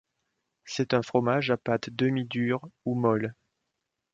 C'est un fromage à pâte demi-dure ou molle.